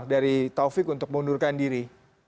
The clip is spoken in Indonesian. dari taufik untuk mengundurkan diri